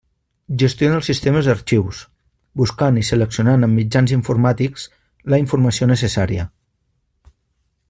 Gestiona els sistemes d'arxius, buscant i seleccionant amb mitjans informàtics la informació necessària.